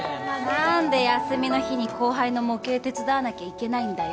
何で休みの日に後輩の模型手伝わなきゃいけないんだよ？